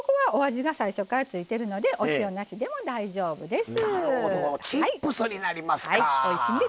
かまぼこには最初からついているのでお塩なしでも大丈夫です。